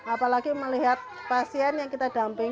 apalagi melihat pasien yang kita damping